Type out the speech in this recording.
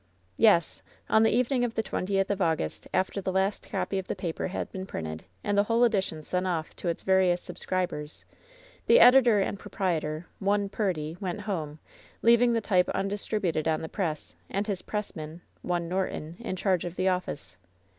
"Yes. On the evening of the twentieth of August, after the last copy of the paper had been printed, and the whole edition sent off to its various subscribers, the editor and proprietor, one Purdy, went home, leaving the type undistributed on the press, and his pressman, one Norton, in charge of the office.